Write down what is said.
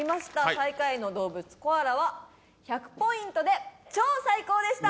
最下位の動物コアラは１００ポイントで「超最高」でした！